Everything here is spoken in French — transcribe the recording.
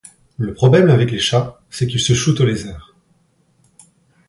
Le problème avec les chats, c’est qu’ils se shootent au lézard.